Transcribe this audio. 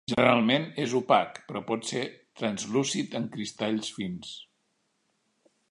Generalment és opac però pot ser translúcid en cristalls fins.